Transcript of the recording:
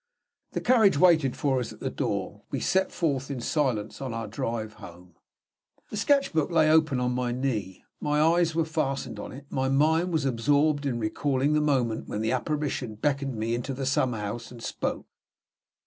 The carriage waited for us at the door. We set forth in silence on our drive home. The sketch book lay open on my knee. My eyes were fastened on it; my mind was absorbed in recalling the moment when the apparition beckoned me into the summer house and spoke.